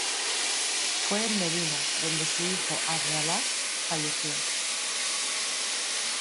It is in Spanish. Fue en Medina donde su hijo Abd-Allah falleció.